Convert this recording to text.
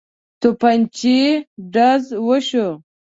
توپنچې ډز وشو.